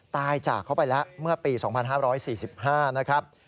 ตายจากเขาไปแล้วเมื่อปี๒๕๔๕นะครับ